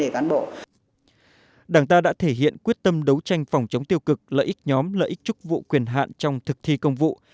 đảng ta đã thể hiện quyết tâm đấu tranh phòng chống tiêu cực lợi ích nhóm lợi ích chức vụ quyền hạn trong thực thi công vụ